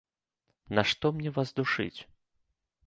Нашто мне вас душыць?